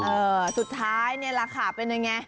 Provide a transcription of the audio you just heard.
เอ่อสุดท้ายเนี่ยราคาเป็นอย่างไง